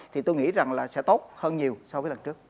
thì tôi nghĩ rằng là sẽ tốt hơn nhiều so với lần trước